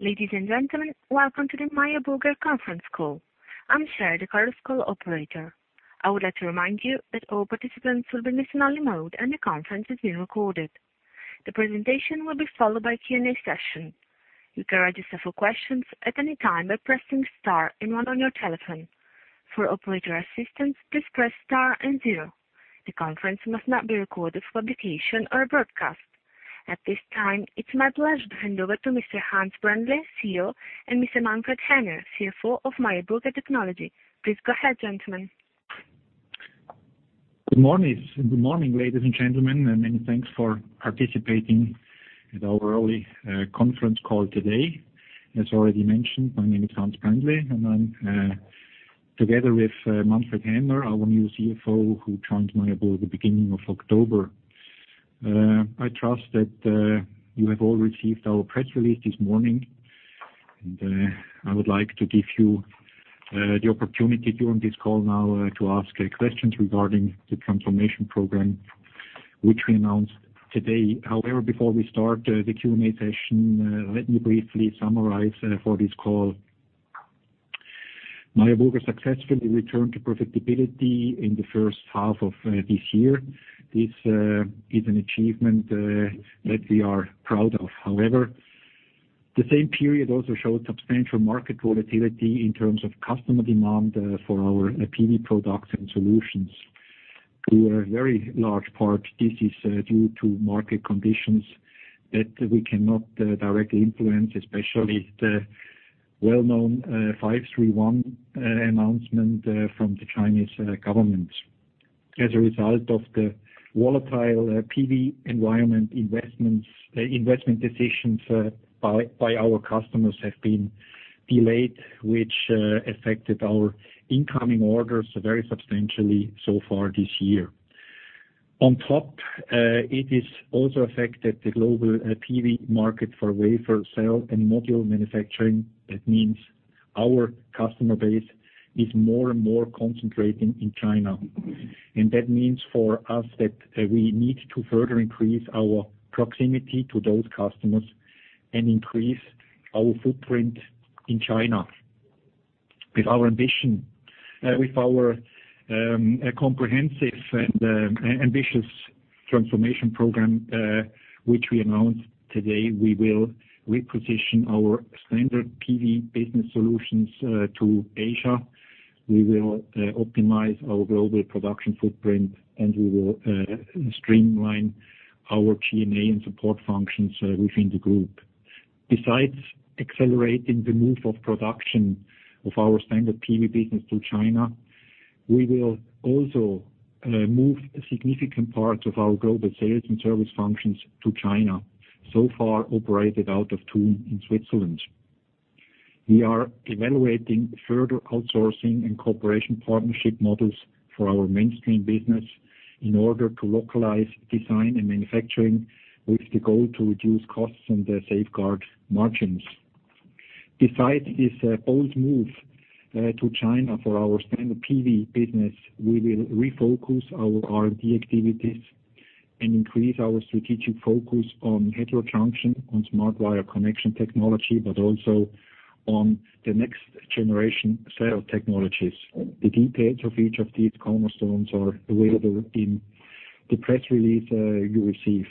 Ladies and gentlemen, welcome to the Meyer Burger conference call. I am Sherry, the call's operator. I would like to remind you that all participants will be in listen-only mode, and the conference is being recorded. The presentation will be followed by a Q&A session. You can register for questions at any time by pressing star and one on your telephone. For operator assistance, please press star and zero. The conference must not be recorded for publication or broadcast. At this time, it is my pleasure to hand over to Mr. Gunter Erfurt, CEO, and Mr. Manfred Häner, CFO of Meyer Burger Technology. Please go ahead, gentlemen. Good morning, ladies and gentlemen, and many thanks for participating in our early conference call today. As already mentioned, my name is Gunter Erfurt, and I am together with Manfred Häner, our new CFO, who joined Meyer Burger at the beginning of October. I trust that you have all received our press release this morning, and I would like to give you the opportunity during this call now to ask questions regarding the transformation program which we announced today. Before we start the Q&A session, let me briefly summarize for this call. Meyer Burger successfully returned to profitability in the first half of this year. This is an achievement that we are proud of. The same period also showed substantial market volatility in terms of customer demand for our PV products and solutions. To a very large part, this is due to market conditions that we cannot directly influence, especially the well-known 531 announcement from the Chinese government. As a result of the volatile PV environment investment decisions by our customers have been delayed, which affected our incoming orders very substantially so far this year. On top, it has also affected the global PV market for wafer, cell, and module manufacturing. That means our customer base is more and more concentrating in China. That means for us that we need to further increase our proximity to those customers and increase our footprint in China. With our comprehensive and ambitious transformation program, which we announced today, we will reposition our standard PV business solutions to Asia. We will optimize our global production footprint, and we will streamline our G&A and support functions within the group. Besides accelerating the move of production of our standard PV business to China, we will also move significant parts of our global sales and service functions to China, so far operated out of Thun in Switzerland. We are evaluating further outsourcing and cooperation partnership models for our mainstream business in order to localize design and manufacturing with the goal to reduce costs and safeguard margins. Besides this bold move to China for our standard PV business, we will refocus our R&D activities and increase our strategic focus on heterojunction, on SmartWire Connection Technology, but also on the next generation cell technologies. The details of each of these cornerstones are available in the press release you received.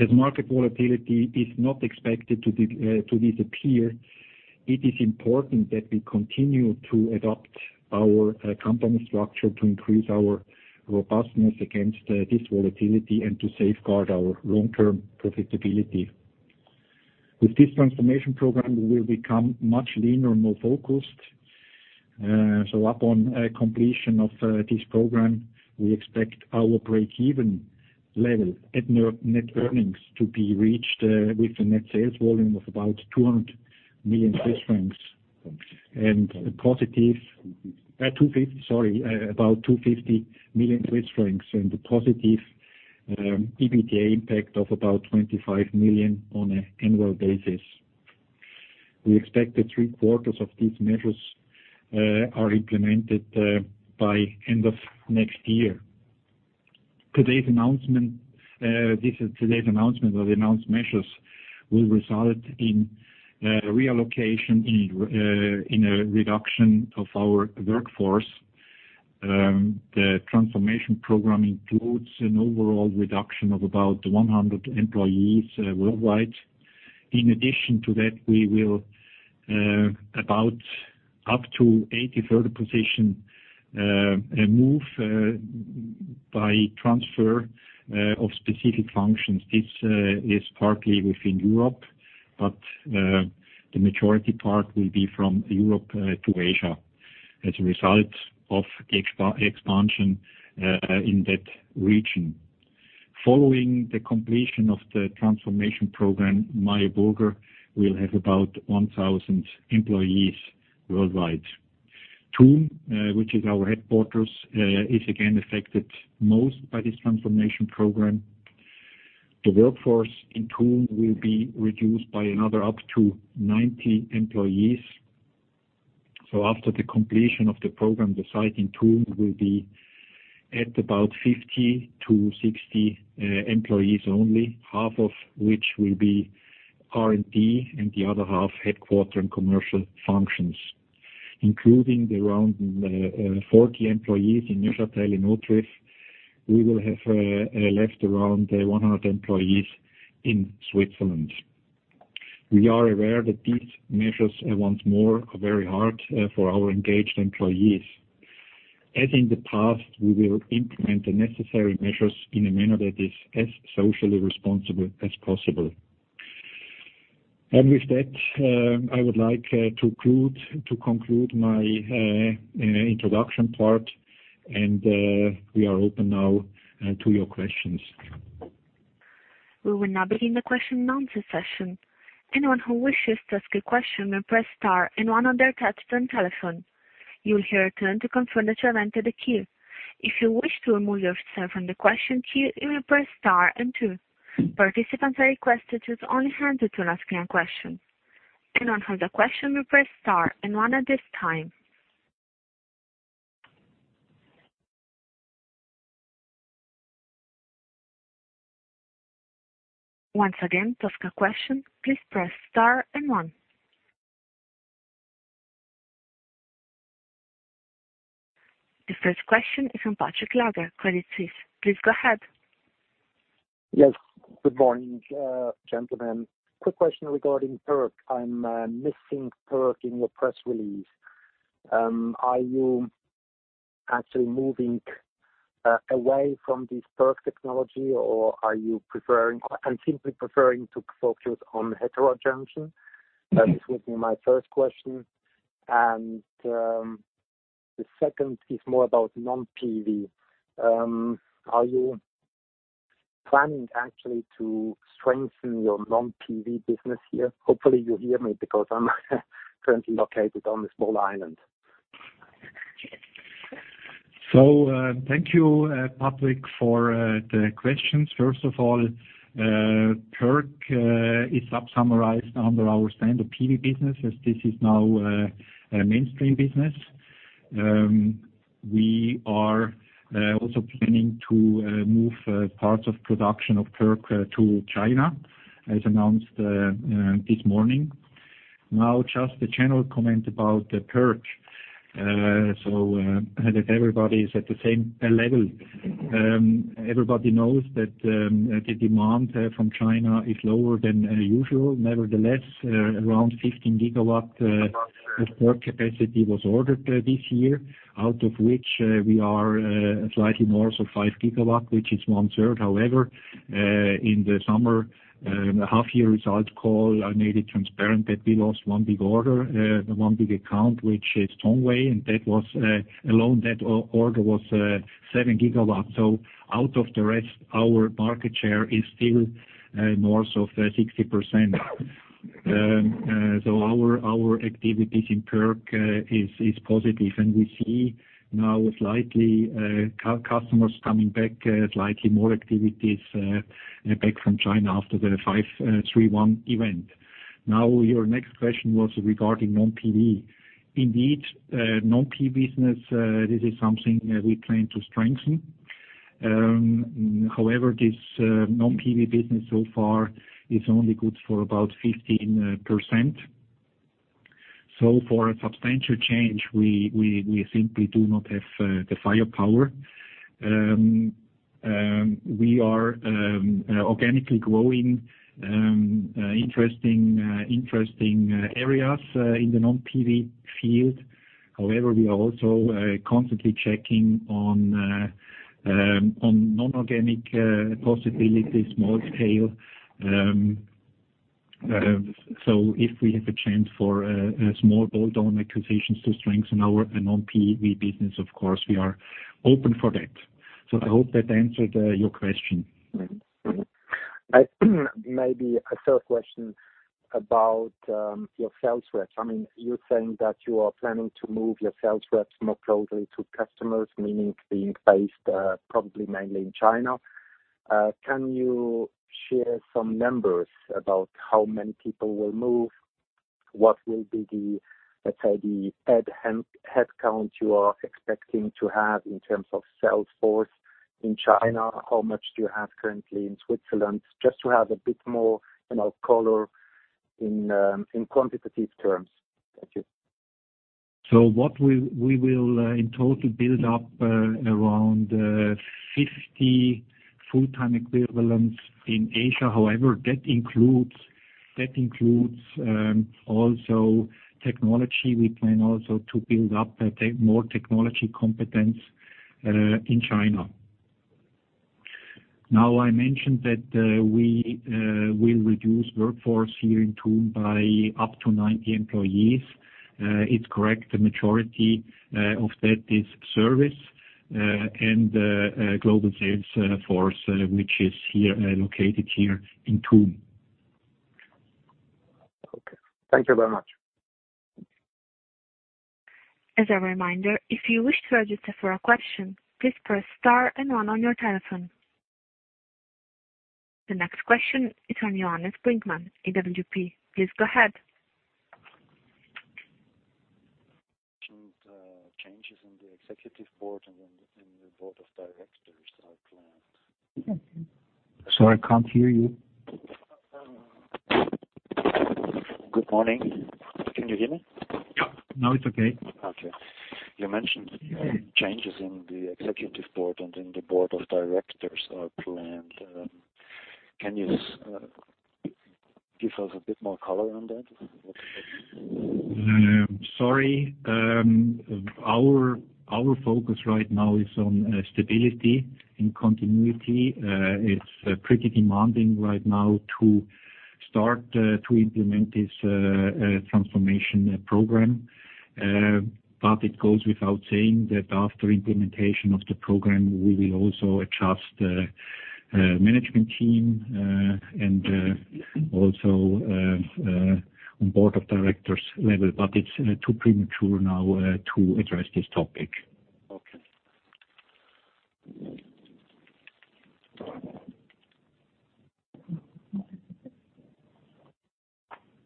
As market volatility is not expected to disappear, it is important that we continue to adapt our company structure to increase our robustness against this volatility and to safeguard our long-term profitability. With this transformation program, we will become much leaner and more focused. Upon completion of this program, we expect our breakeven level at net earnings to be reached with a net sales volume of about 200 million Swiss francs. About CHF 250 million, and a positive EBITDA impact of about 25 million on an annual basis. We expect that three-quarters of these measures are implemented by end of next year. Today's announcement of the announced measures will result in a reduction of our workforce. The transformation program includes an overall reduction of about 100 employees worldwide. In addition to that, we will about up to 80 further position move by transfer of specific functions. This is partly within Europe, but the majority part will be from Europe to Asia as a result of expansion in that region. Following the completion of the transformation program, Meyer Burger will have about 1,000 employees worldwide. Thun, which is our headquarters, is again affected most by this transformation program. The workforce in Thun will be reduced by another up to 90 employees. So after the completion of the program, the site in Thun will be at about 50 to 60 employees only, half of which will be R&D and the other half headquarter and commercial functions. Including the around 40 employees in Neuchâtel, we will have left around 100 employees in Switzerland. We are aware that these measures, once more, are very hard for our engaged employees. As in the past, we will implement the necessary measures in a manner that is as socially responsible as possible. With that, I would like to conclude my introduction part, and we are open now to your questions. We will now begin the question and answer session. Anyone who wishes to ask a question may press star and one on their touchtone telephone. You will hear a tone to confirm that you have entered the queue. If you wish to remove yourself from the question queue, you may press star and two. Participants are requested to use only handsets to asking a question. Anyone who has a question may press star and one at this time. Once again, to ask a question, please press star and one. The first question is from Patrick Hofer, Credit Suisse. Please go ahead. Yes. Good morning, gentlemen. Quick question regarding PERC. I'm missing PERC in your press release. Are you actually moving away from this PERC technology, or are you simply preferring to focus on heterojunction? This would be my first question. The second is more about non-PV. Are you planning actually to strengthen your non-PV business here? Hopefully, you hear me, because I'm currently located on a small island. Thank you, Patrick, for the questions. First of all, PERC is sub-summarized under our standard PV business, as this is now a mainstream business. We are also planning to move parts of production of PERC to China, as announced this morning. Just a general comment about the PERC, so that everybody is at the same level. Everybody knows that the demand from China is lower than usual. Nevertheless, around 15 gigawatts of PERC capacity was ordered this year, out of which we are slightly more, so five gigawatt, which is one-third. In the summer, half-year results call, I made it transparent that we lost one big order, one big account, which is Tongwei, and alone that order was seven gigawatts. Out of the rest, our market share is still more so 60%. Our activities in PERC is positive, and we see now slightly customers coming back, slightly more activities back from China after the 531 event. Your next question was regarding non-PV. Indeed, non-PV business, this is something we plan to strengthen. This non-PV business so far is only good for about 15%. For a substantial change, we simply do not have the firepower. We are organically growing interesting areas in the non-PV field. We are also constantly checking on non-organic possibilities, small scale. If we have a chance for a small bolt-on acquisitions to strengthen our non-PV business, of course, we are open for that. I hope that answered your question. Maybe a third question about your sales reps. You are saying that you are planning to move your sales reps more closely to customers, meaning being based probably mainly in China. Can you share some numbers about how many people will move? What will be the headcount you are expecting to have in terms of sales force in China? How much do you have currently in Switzerland? Just to have a bit more color in quantitative terms. Thank you. What we will in total build up around 50 full-time equivalents in Asia. That includes also technology. We plan also to build up more technology competence in China. I mentioned that we will reduce workforce here in Thun by up to 90 employees. It's correct, the majority of that is service and global sales force, which is located here in Thun. Okay. Thank you very much. As a reminder, if you wish to register for a question, please press star and one on your telephone. The next question is from Johannes Brinkmann, AWP. Please go ahead. Changes in the executive board and in the board of directors are planned. Sorry, I can't hear you. Good morning. Can you hear me? Yeah. Now it's okay. Okay. You mentioned changes in the executive board and in the board of directors are planned. Can you give us a bit more color on that? Sorry. Our focus right now is on stability and continuity. It's pretty demanding right now to start to implement this transformation program. It goes without saying that after implementation of the program, we will also adjust the management team, and also on board of directors level, but it's too premature now to address this topic. Okay.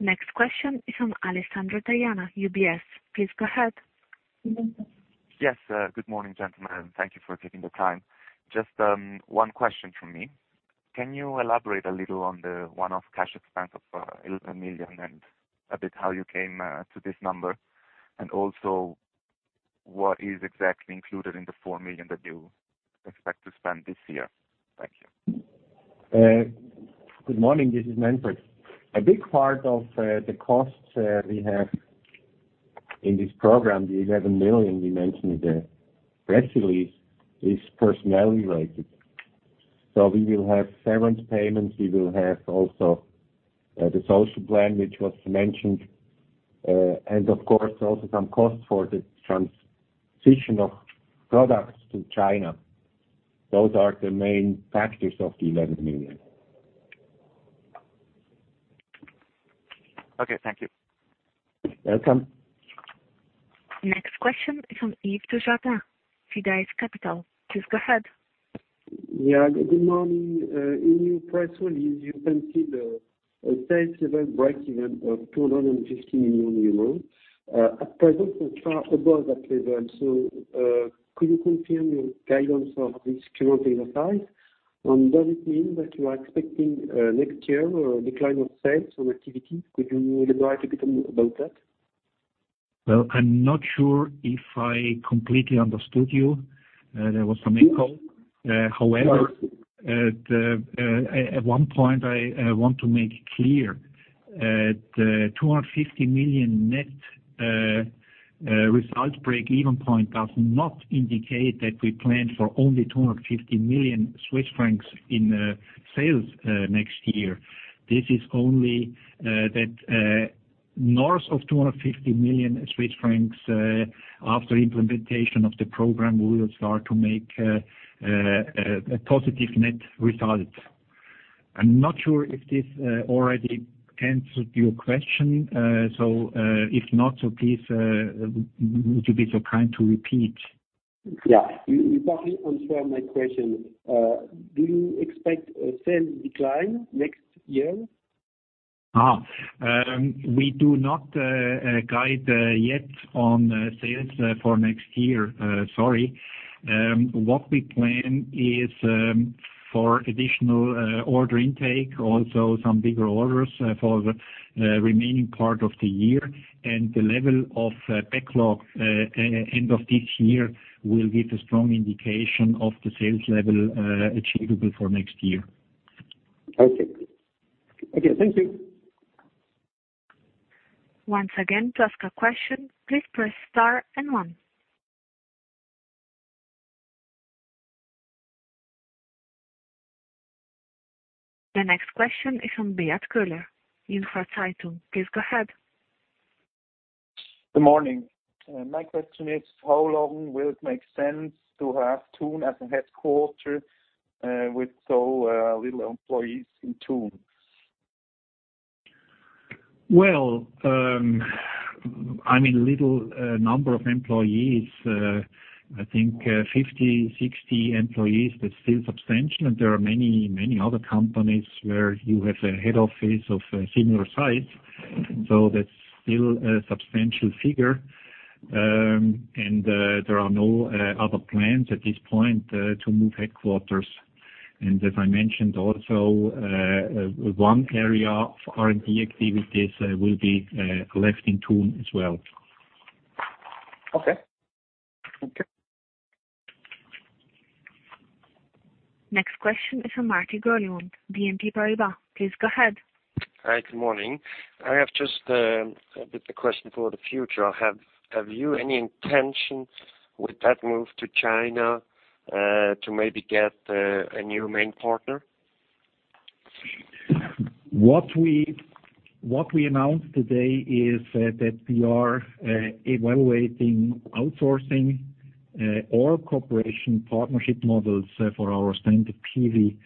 Next question is from Alessandro Taiana, UBS. Please go ahead. Yes. Good morning, gentlemen. Thank you for taking the time. Just one question from me. Can you elaborate a little on the one-off cash expense of 11 million and a bit how you came to this number? What is exactly included in the four million that you expect to spend this year? Thank you. Good morning, this is Manfred. A big part of the costs we have in this program, the 11 million we mentioned in the press release, is personnel related. We will have severance payments, we will have also the social plan, which was mentioned, and of course, also some costs for the transition of products to China. Those are the main factors of the 11 million. Okay. Thank you. Welcome. Next question is from Yves Turrettini, Fides Capital. Please go ahead. Yeah. Good morning. In your press release, you mentioned a sales level breakeven of 250 million euros. At present we're far above that level. Could you confirm your guidance for this current year size? Does it mean that you are expecting next year a decline of sales or activity? Could you elaborate a bit about that? Well, I'm not sure if I completely understood you. There was some echo. However, at one point I want to make clear that 250 million net result break-even point does not indicate that we plan for only 250 million Swiss francs in sales next year. This is only that north of 250 million Swiss francs after implementation of the program will start to make a positive net result. I'm not sure if this already answered your question. If not, please, would you be so kind to repeat? Yeah. You partly answered my question. Do you expect a sales decline next year? We do not guide yet on sales for next year. Sorry. What we plan is for additional order intake, also some bigger orders for the remaining part of the year, and the level of backlog end of this year will give a strong indication of the sales level achievable for next year. Okay. Thank you. Once again, to ask a question, please press star and one. The next question is from Beat Köhler, InfraZeitung. Please go ahead. Good morning. My question is, how long will it make sense to have Thun as a headquarters, with so little employees in Thun? Well, I mean, little number of employees, I think 50, 60 employees, that's still substantial. There are many other companies where you have a head office of a similar size. That's still a substantial figure. There are no other plans at this point to move headquarters. As I mentioned also, one area of R&D activities will be left in Thun as well. Okay. Thank you. Next question is from Marty Grollemund, BNP Paribas. Please go ahead. Hi, good morning. I have just a bit a question for the future. Have you any intention with that move to China, to maybe get a new main partner? What we announced today is that we are evaluating outsourcing or cooperation partnership models for our standard PV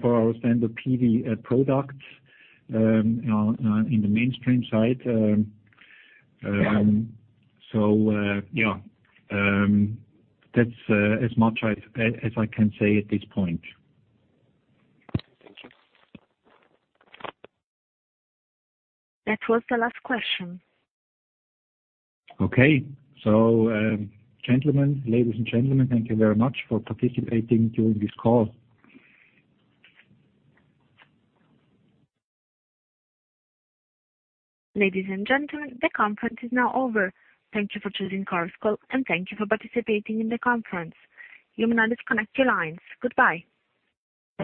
products in the mainstream side. Yeah. That's as much as I can say at this point. Thank you. That was the last question. Okay. Ladies and gentlemen, thank you very much for participating during this call. Ladies and gentlemen, the conference is now over. Thank you for choosing Chorus Call, and thank you for participating in the conference. You may now disconnect your lines. Goodbye.